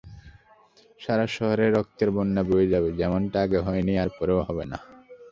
সারা মিশরে রক্তের বন্যা বয়ে যাবে, যেমনটা আগে হয়নি আর পরেও হবে না।